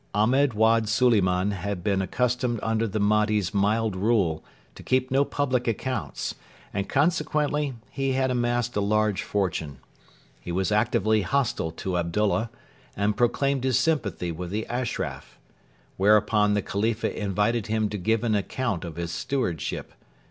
Ahmed Wad Suliman had been accustomed under the Mahdi's mild rule to keep no public accounts, and consequently he had amassed a large fortune. He was actively hostile to Abdullah, and proclaimed his sympathy with the Ashraf. Whereupon the Khalifa invited him to give an account of his stewardship.